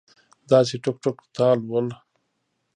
داسې ټوک ټوک تال ول